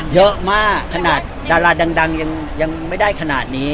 เยอะมากขนาดดาราดังยังไม่ได้ขนาดนี้